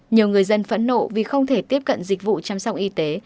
nhiều người dân phẫn nộ vì không thể tiếp cận dịch vụ chăm sóc y tế